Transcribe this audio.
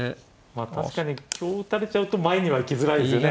まあ確かに香打たれちゃうと前には行きづらいですよね。